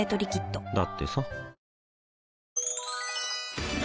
だってさ